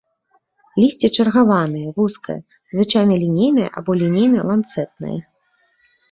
Лісце чаргаванае, вузкае, звычайна лінейнае або лінейна-ланцэтнае.